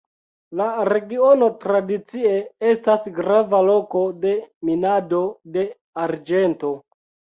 La regiono tradicie estas grava loko de minado de arĝento.